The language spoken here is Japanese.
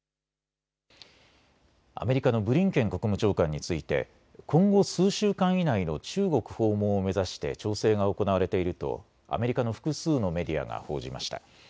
アメリカのブリンケン国務長官について今後数週間以内の中国訪問を目指して調整が行われているとアメリカの複数のメディアが報じました。